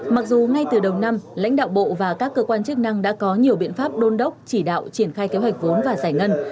mặc dù ngay từ đầu năm lãnh đạo bộ và các cơ quan chức năng đã có nhiều biện pháp đôn đốc chỉ đạo triển khai kế hoạch vốn và giải ngân